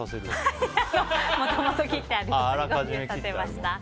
もともと切ってあるものと合流させました。